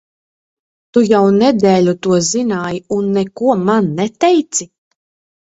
Tu jau nedēļu to zināji, un neko man neteici?